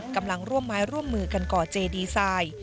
กำลังร่วมไม้ร่วมมือกันก่อเจดีไซน์